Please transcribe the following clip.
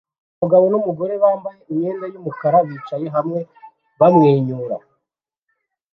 Umugabo numugore bambaye imyenda yumukara bicaye hamwe bamwenyura